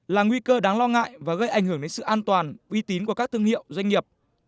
là nguy cơ đáng lo ngại và gây ảnh hưởng đến sự an toàn uy tín của các thương hiệu doanh nghiệp